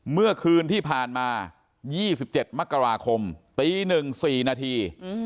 เมื่อคืนที่ผ่านมา๒๗มกราคมตีหนึ่งสี่นาที